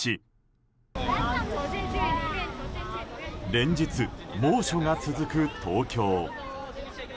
連日、猛暑が続く東京。